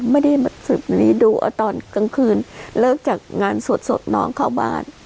ไม่ได้ดูตอนกลางคืนเลิกจากงานสดน้องเข้าบ้าน